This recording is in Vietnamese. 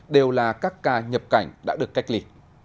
đều là các ca nhập cảnh đã được cách ly